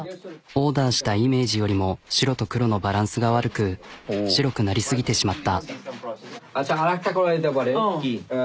オーダーしたイメージよりも白と黒のバランスが悪く白くなり過ぎてしまった。